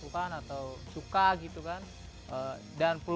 kita sudah berhasil